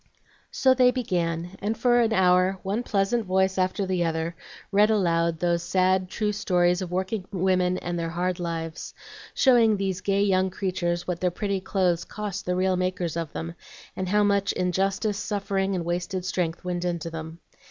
So they began, and for an hour one pleasant voice after the other read aloud those sad, true stories of workingwomen and their hard lives, showing these gay young creatures what their pretty clothes cost the real makers of them, and how much injustice, suffering, and wasted strength went into them.